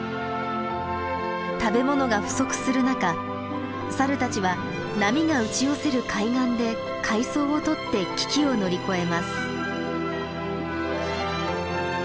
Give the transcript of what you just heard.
食べ物が不足する中サルたちは波が打ち寄せる海岸で海藻を採って危機を乗り越えます。